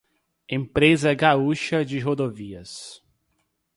Empresa Gaúcha de Rodovias